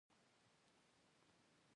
بیک خو یې راسره را پرېښود.